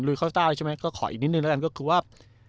ลุยคอสตาร์ใช่ไหมก็ขออีกนิดนึงแล้วก็คือว่า